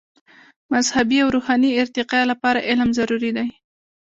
د مذهبي او روحاني ارتقاء لپاره علم ضروري دی.